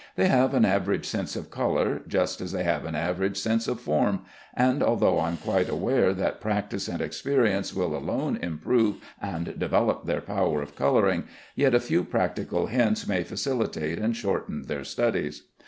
They have an average sense of color, just as they have an average sense of form; and although I am quite aware that practice and experience will alone improve and develop their power of coloring, yet a few practical hints may facilitate and shorten their studies.